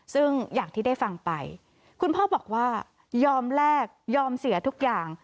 ซึ่งอย่างที่ได้ฟังไปคุณพ่อบอกว่ายอมแลกยอมเสียทุกอย่าง